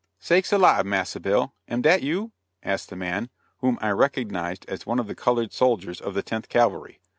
"Sakes alive! Massa Bill, am dat you?" asked the man, whom I recognized as one of the colored soldiers of the Tenth Cavalry.